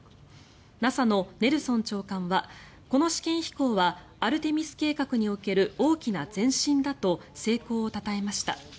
ＮＡＳＡのネルソン長官はこの試験飛行はアルテミス計画における大きな前進だと成功をたたえました。